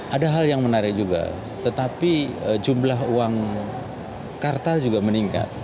ada hal yang menarik juga tetapi jumlah uang kartal juga meningkat